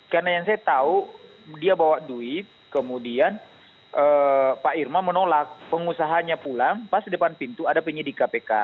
karena yang saya tahu dia bawa duit kemudian pak irma menolak pengusahanya pulang pas depan pintu ada penyidik kpk